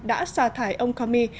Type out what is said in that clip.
đã xà thải ông comey